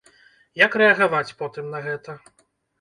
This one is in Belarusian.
Як рэагаваць потым на гэта?